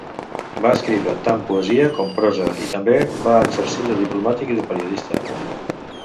Va escriure tant poesia com prosa i també va exercir de diplomàtic i de periodista.